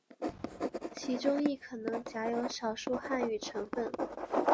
其中亦可能夹有少数汉语成分。